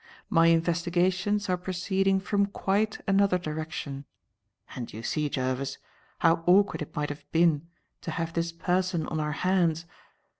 My investigations are proceeding from quite another direction; and you see, Jervis, how awkward it might have been to have this person on our hands.